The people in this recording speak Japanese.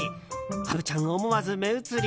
虻ちゃん、思わず目移り。